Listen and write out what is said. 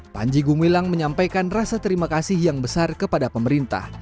panji gumilang menyampaikan rasa terima kasih yang besar kepada pemerintah